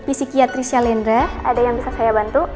fisikiatrisya lendre ada yang bisa saya bantu